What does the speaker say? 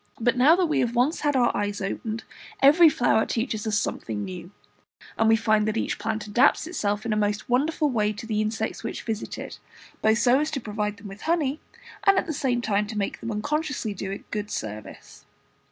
But now that we have once had our eyes opened, every flower teaches us something new, and we find that each plant adapts itself in a most wonderful way to the insects which visit it, both so as to provide them with honey, and at the same time to make them unconsciously do it good service.